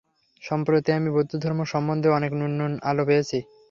সম্প্রতি আমি বৌদ্ধধর্ম সম্বন্ধে অনেক নূতন আলো পেয়েছি।